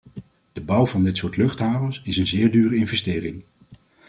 De bouw van dit soort luchthavens is een zeer dure investering.